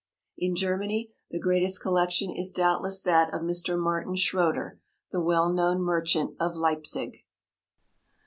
In Germany the greatest collection is doubtless that of Mr. Martin Schroeder, the well known merchant of Leipzig.